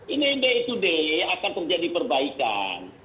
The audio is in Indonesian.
ini day to day akan terjadi perbaikan